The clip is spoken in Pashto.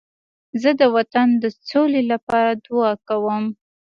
زه د وطن د سولې لپاره دعا کوم.